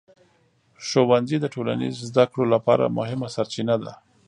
ښوونځي د ټولنیز زده کړو لپاره مهمه سرچینه ده.